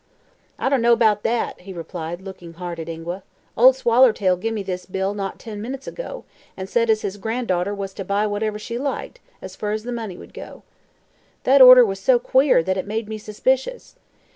"I dunno 'bout that," he replied, looking hard at Ingua, "Ol' Swallertail gimme this bill, not ten minutes ago, an' said as his gran'darter was to buy whatever she liked, as fur as the money would go. That order was so queer that it made me suspicious.